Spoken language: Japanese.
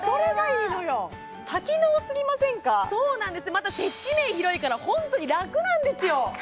また接地面広いからホントに楽なんですよ